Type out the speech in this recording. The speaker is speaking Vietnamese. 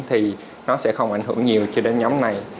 thì nó sẽ không ảnh hưởng nhiều cho đến nhóm này